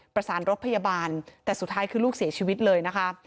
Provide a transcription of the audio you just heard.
ประสานรถพยาบาลแต่สุดท้ายคือลูกเสียชีวิตเลยนะคะ